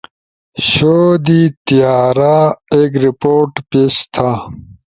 شو، دی تیارا، ایک رپورٹ پیش تھا